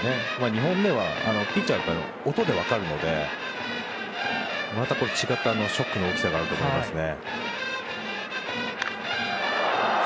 ２本目は、ピッチャーって音で分かるのでまた違ったショックの大きさがあると思いますね。